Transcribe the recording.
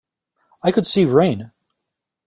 I could see rain.